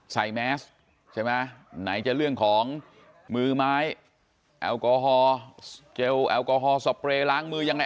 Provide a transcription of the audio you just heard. แมสใช่ไหมไหนจะเรื่องของมือไม้แอลกอฮอล์เจลแอลกอฮอลสเปรย์ล้างมือยังไง